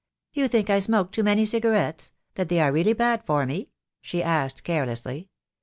"You think I smoke too many cigarettes — that they are really bad for me?" she asked carelessly.